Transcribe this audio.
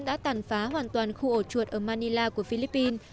đã tàn phá hoàn toàn khu ổ chuột ở manila của philippines